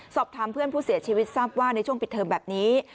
สอบถามเพื่อนผู้เสียชีวิตทราบว่าในช่วงปิดเทอมแบบนี้